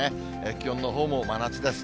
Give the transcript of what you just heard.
気温のほうも真夏です。